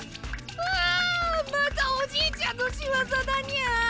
わまたおじいちゃんのしわざだニャ！